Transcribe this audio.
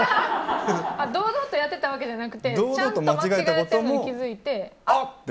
堂々とやってたわけじゃなくてちゃんと間違えてるのに気づいて。